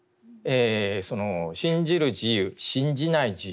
その信じる自由信じない自由。